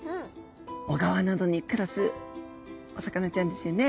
小川などに暮らすお魚ちゃんですよね。